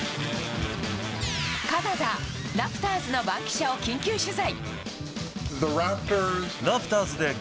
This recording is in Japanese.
カナダ、ラプターズの番記者を緊急取材。